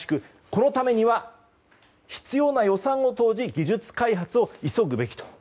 このためには必要な予算を投じ技術開発を急ぐべきと。